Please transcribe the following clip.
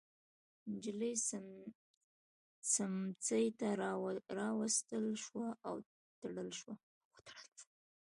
نجلۍ سمڅې ته راوستل شوه او تړل شوه.